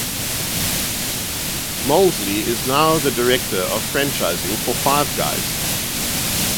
Moseley is now the Director of Franchising for Five Guys.